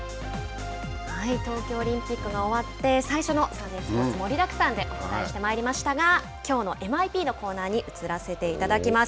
東京オリンピックが終わって最初のサンデースポーツ盛りだくさんでお伝えしてまいりましたが「きょうのＭＩＰ」のコーナーに移らせていただきます。